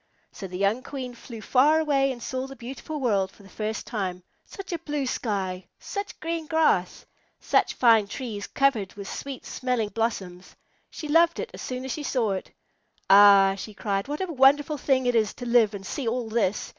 So the young Queen flew far away and saw the beautiful world for the first time. Such a blue sky! Such green grass! Such fine trees covered with sweet smelling blossoms! She loved it all as soon as she saw it. "Ah," she cried, "what a wonderful thing it is to live and see all this!